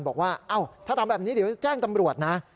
บอกว่าถ้าทำแบบนี้เดี๋ยวแจ้งตำรวจนะ